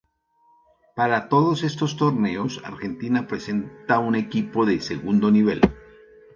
Para todos estos torneos, Argentina presenta un equipo de segundo nivel.